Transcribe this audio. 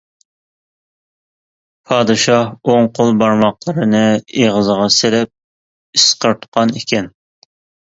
پادىشاھ ئوڭ قول بارماقلىرىنى ئېغىزىغا سېلىپ ئىسقىرتقان ئىكەن.